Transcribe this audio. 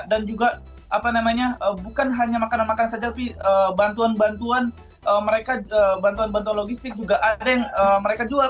dan juga apa namanya bukan hanya makanan makanan saja tapi bantuan bantuan mereka bantuan bantuan logistik juga ada yang mereka jual